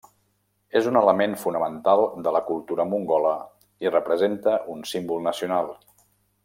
És un element fonamental de la cultura mongola i representa un símbol nacional.